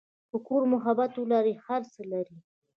که کور محبت ولري، هر څه لري.